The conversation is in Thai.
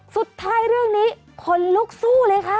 สุดท้ายเรื่องนี้คนลุกสู้เลยค่ะ